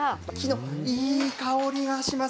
木のいい香りがします。